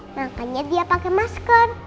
makanya dia pakai masker